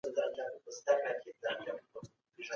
مصنوعي ځيرکتيا د سياسي پرېکړو په برخه کي څه رول لوبولی سي؟